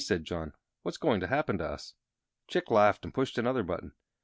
said John; "what's going to happen to us?" Chick laughed and pushed another button.